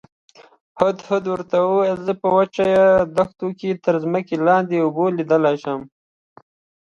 هدهد ورته وویل زه په وچو دښتو کې تر ځمکې لاندې اوبه لیدلی شم.